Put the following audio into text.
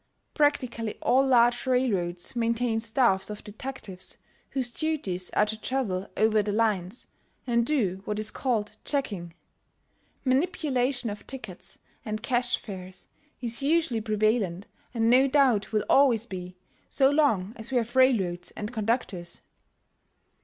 Practically all large railroads maintain staffs of detectives whose duties are to travel over the lines and do what is called checking. Manipulation of tickets and cash fares is usually prevalent and no doubt will always be so long as we have railroads and conductors.